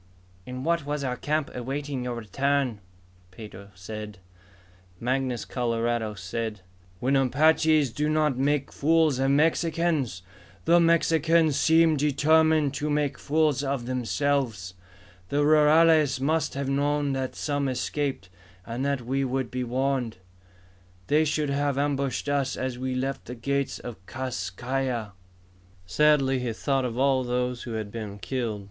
"In what was our camp, awaiting your return," Pedro said. Mangus Coloradus said, "When Apaches do not make fools of Mexicans, the Mexicans seem determined to make fools of themselves. The rurales must have known that some escaped, and that we would be warned. They should have ambushed us as we left the gates of Kas Kai Ya." Sadly he thought of all who had been killed.